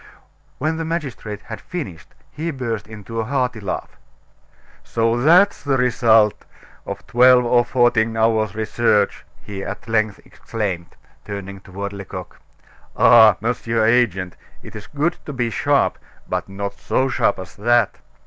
When the magistrate had finished, he burst into a hearty laugh. "So that's the result of twelve or fourteen hours' research," he at length exclaimed, turning toward Lecoq. "Ah! Mr. Agent, it's good to be sharp, but not so sharp as that.